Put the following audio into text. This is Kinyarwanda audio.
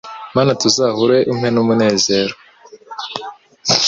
Mana tuzahure umpe n umunezero